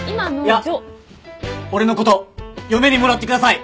いや俺のこと嫁にもらってください！